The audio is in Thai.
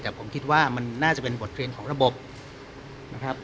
แต่ผมคิดว่ามันน่าจะเป็นบทเรียนของระบบนะครับ